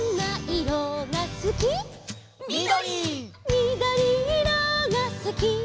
「みどりいろがすき」